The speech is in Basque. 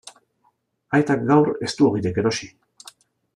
Aitak gaur ez du ogirik erosi.